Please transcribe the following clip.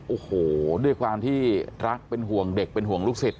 โอ้โหด้วยความที่รักเป็นห่วงเด็กเป็นห่วงลูกศิษย